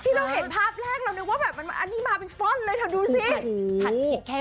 เราเห็นภาพแรกเรานึกว่าแบบอันนี้มาเป็นฟ่อนเลยเธอดูสิ